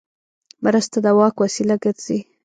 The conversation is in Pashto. مرسته د واک وسیله ګرځي.